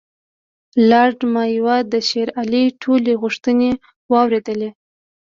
لارډ مایو د شېر علي ټولې غوښتنې واورېدلې.